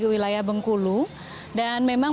wilayah bengkulu dan memang